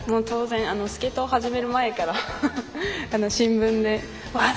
スケートを始める前から新聞で、わっ！